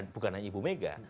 bukan hanya ibu mega